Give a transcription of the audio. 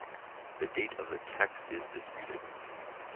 The date of the text is disputed.